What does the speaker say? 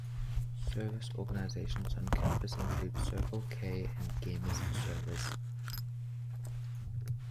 Service organizations on campus include Circle K and Gamers for Service.